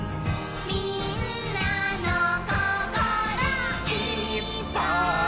「みんなのココロ」「いっぱい」